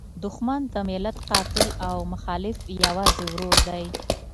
دوښمن د ملت قاتل او مخالف یوازې ورور دی.